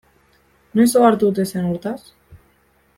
Noiz ohartu ote zen hortaz?